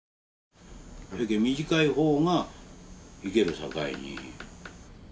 短い方がいけるさかいに。